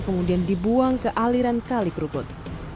kemudian dibuang ke aliran kali kerukut